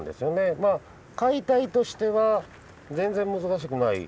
まあ解体としては全然難しくない。